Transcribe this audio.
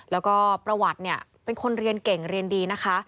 แล้วก็ประวัติเนี่ยเป็นคนเรียนเก่งเรียนดีนะคะ